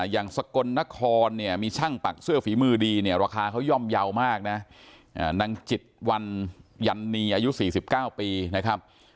อย่างสกลนครเนี่ยมีช่างปักเสื้อฝีมือดีเนี่ยราคาเขาย่อมเยาว์มากนะนางจิตวันยันนีอายุ๔๙ปีนะครับ